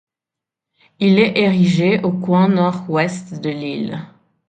Il est érigé au coin nord-ouest de l'île.